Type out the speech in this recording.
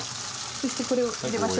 そしてこれを入れましょう。